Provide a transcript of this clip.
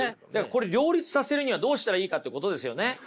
これ両立させるにはどうしたらいいかってことですよね。